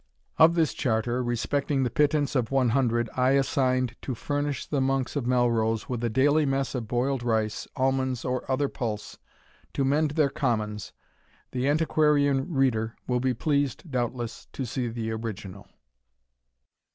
Of this charter, respecting the pittance of 100_l_ assigned to furnish the monks of Melrose with a daily mess of boiled rice, almonds, or other pulse, to mend their commons, the antiquarian reader will be pleased, doubtless, to see the original.